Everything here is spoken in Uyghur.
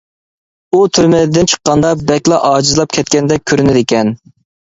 ئۇ تۈرمىدىن چىققاندا بەكلا ئاجىزلاپ كەتكەندەك كۆرۈنىدىكەن.